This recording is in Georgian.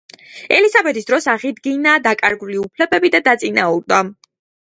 ელისაბედის დროს აღიდგინა დაკარგული უფლებები და დაწინაურდა.